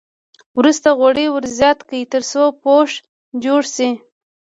وروسته غوړي ور زیات کړئ تر څو پوښ جوړ شي.